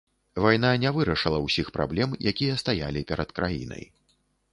Вайна не вырашыла ўсіх праблем, якія стаялі перад краінай.